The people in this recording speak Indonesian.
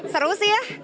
seru sih ya